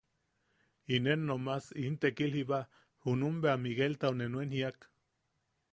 Inen nomas in tekil jiba junum bea Migueltau ne nuen jiak: